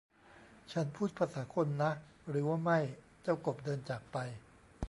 ฉันพูดภาษาคนนะ หรือว่าไม่ ? เจ้ากบ เดินจากไป